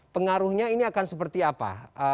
pengaruhnya ini akan seperti apa